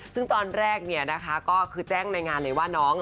ซึ่งตอนแรกเนี่ยนะคะก็คือแจ้งในงานเลยว่าน้อง